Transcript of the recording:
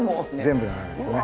全部斜めですね。